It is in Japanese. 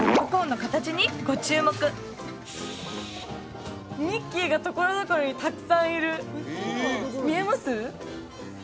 ここではミッキーがところどころにたくさんいる見えます？